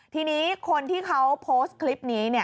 ทีนี้คนที่เขาโพสต์คลิปนี้